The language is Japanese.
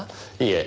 いえ。